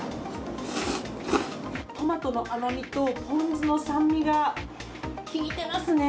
トマトの甘みとポン酢の酸味が効いていますね。